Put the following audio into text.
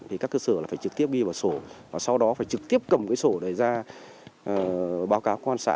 thì các cơ sở là phải trực tiếp ghi vào sổ và sau đó phải trực tiếp cầm cái sổ đấy ra báo cáo công an xã